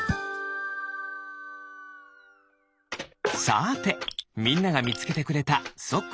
さてみんながみつけてくれたそっ